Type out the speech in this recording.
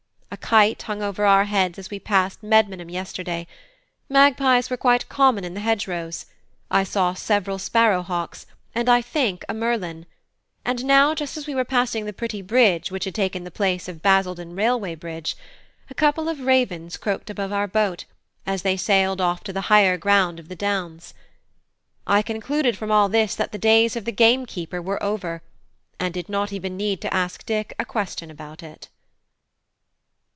A kite hung over our heads as we passed Medmenham yesterday; magpies were quite common in the hedgerows; I saw several sparrow hawks, and I think a merlin; and now just as we were passing the pretty bridge which had taken the place of Basildon railway bridge, a couple of ravens croaked above our boat, as they sailed off to the higher ground of the downs. I concluded from all this that the days of the gamekeeper were over, and did not even need to ask Dick a question about it.